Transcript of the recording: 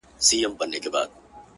دا چا ويل چي له هيواده سره شپې نه كوم-